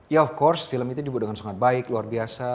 ya of course film itu dibuat dengan sangat baik luar biasa